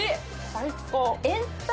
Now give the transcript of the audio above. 最高。